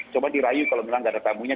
coba dirayu kalau bilang gak ada tamunya